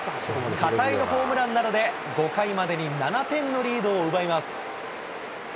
片井のホームランなどで、５回までに７点のリードを奪います。